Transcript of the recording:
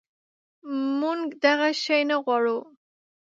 منږ دغه شی نه غواړو